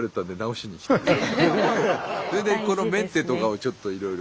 それでこのメンテとかをちょっといろいろ